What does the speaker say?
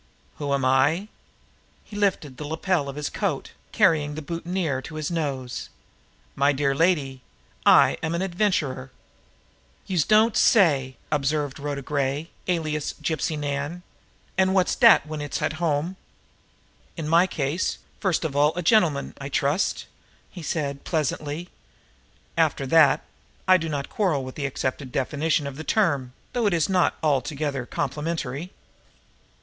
"Who am I?" He lifted the lapel of his coat, carrying the boutonniere to his nose. "My dear lady, I am an adventurer." "Youse don't say!" observed Rhoda Gray, alias Gypsy Nan. "An' wot's dat w' en it's at home?" "In my case, first of all a gentleman, I trust," he said pleasantly; "after that, I do not quarrel with the accepted definition of the term though it is not altogether complimentary."